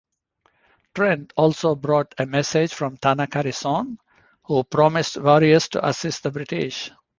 Trent also brought a message from Tanacharison, who promised warriors to assist the British.